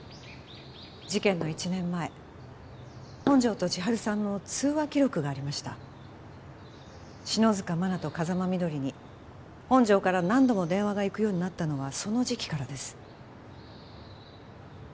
事件の１年前本条と千晴さんの通話記録がありました篠塚真菜と風間みどりに本条から何度も電話がいくようになったのはその時期からです